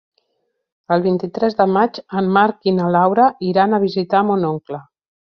El vint-i-tres de maig en Marc i na Laura iran a visitar mon oncle.